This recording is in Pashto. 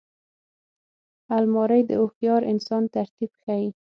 الماري د هوښیار انسان ترتیب ښيي